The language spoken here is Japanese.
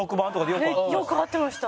よく会ってました。